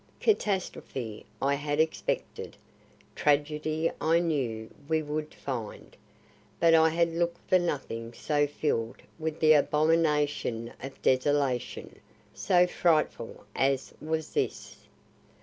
Catastrophe I had expected, tragedy I knew we would find but I had looked for nothing so filled with the abomination of desolation, so frightful as was this.